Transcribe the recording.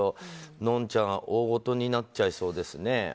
のんちゃん、大ごとになってしまいそうですね。